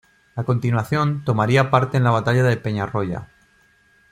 A continuación tomaría parte en la batalla de Peñarroya.